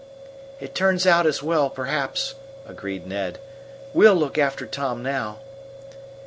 "It turns out as well, perhaps," agreed Ned. "We'll look after Tom now."